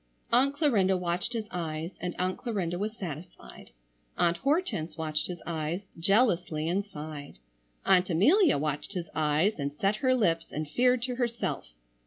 Aunt Clarinda watched his eyes, and Aunt Clarinda was satisfied. Aunt Hortense watched his eyes, jealously and sighed. Aunt Amelia watched his eyes and set her lips and feared to herself.